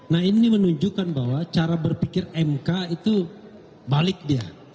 nah ini menunjukkan bahwa cara berpikir mk itu balik dia